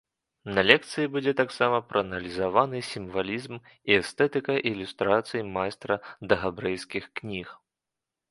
На лекцыі будзе таксама прааналізаваны сімвалізм і эстэтыка ілюстрацый майстра да габрэйскіх кніг.